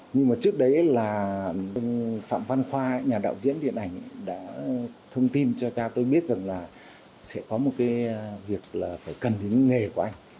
nhưng mà trước đấy là phạm văn khoa nhà đạo diễn điện ảnh đã thông tin cho cha tôi biết rằng là sẽ có một cái việc là phải cần đến nghề của anh